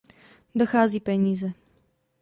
Dochází peníze.